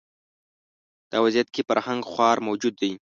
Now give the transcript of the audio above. دا وضعیت کې فرهنګ خوار موجود دی